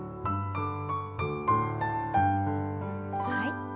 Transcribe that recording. はい。